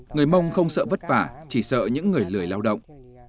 người mông không sợ vất vả chỉ sợ những người lười lao động